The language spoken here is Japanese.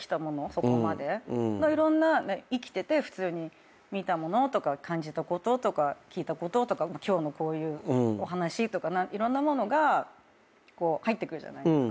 そこまでのいろんな生きてて普通に見たものとか感じたこととか聞いたこととか今日のこういうお話とかいろんなものが入ってくるじゃないですか。